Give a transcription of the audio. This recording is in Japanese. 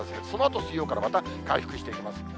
そのあと水曜から、また回復してきます。